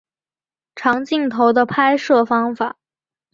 长镜头的拍摄方法。